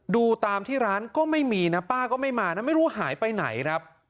ดูตามที่ร้านก็ไม่มีนะป้าก็ไม่มานะไม่รู้หายไปไหนครับ